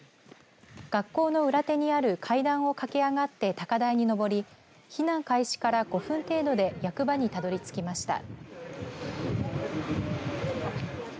学校の裏手にある階段を駆け上がって高台にのぼり避難開始から５分程度で役場にたどりつきました。